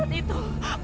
kuburkan kembali amira